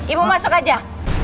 ibu masuk aja